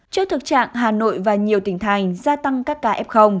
trước thực trạng hà nội và nhiều tỉnh thành gia tăng các ca f